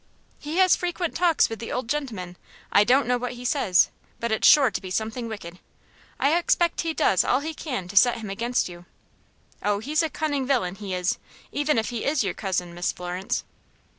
"He has frequent talks with the old gentleman. I don't know what he says, but it's sure to be something wicked. I expect he does all he can to set him against you. Oh, he's a cunning villain, he is, even if he is your cousin, Miss Florence."